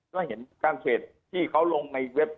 ก็เห็นการเทรดที่เขาลงในเว็บไซต์